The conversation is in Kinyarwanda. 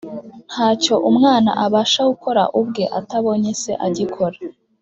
“Ntacyo Umwana abasha gukora ubwe, atabonye Se agikora”